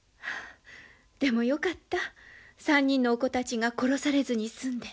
でもよかった３人のお子たちが殺されずに済んで。